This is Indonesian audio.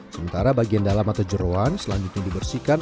sementara bagian dalam atau jerawan selanjutnya dibersihkan